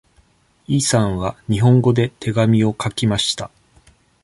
イさんは日本語で手紙を書きました。